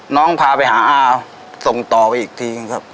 น้องพาไปหาอ้าส่งต่อไปอีกทีครับ